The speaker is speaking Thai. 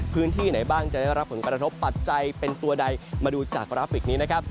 พื้นที่ไหนบ้างจะได้รับผลกระทบปัจจัยเป็นตัวใดมาดูจากกราฟิกนี้นะครับ